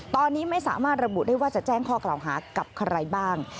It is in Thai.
ตอนนี้ไม่สามารถระบุได้ว่าจะแจ้งข้อกล่าวหากับใครบ้าง